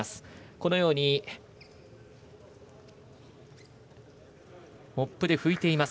このように、モップでふいています。